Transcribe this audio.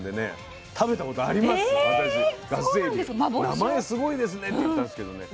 「名前すごいですね」って言ったんですけどね